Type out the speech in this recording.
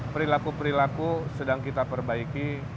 perilaku perilaku sedang kita perbaiki